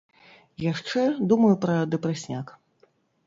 Яшчэ думаю пра дэпрэсняк.